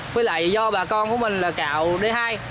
với lại do bà con của mình là gạo d hai